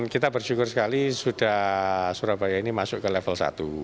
kita bersyukur sekali sudah surabaya ini masuk ke level satu